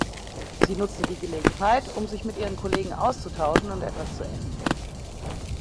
Sie nutzte die Gelegenheit, um sich mit ihren Kollegen auszutauschen und etwas zu essen.